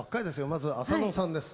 まずは浅野さんです。